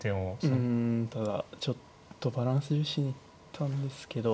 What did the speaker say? うんただちょっとバランス重視に行ったんですけど。